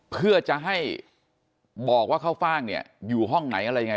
เพื่อจะให้บอกว่าข้าวฟ่างเนี่ยอยู่ห้องไหนอะไรยังไง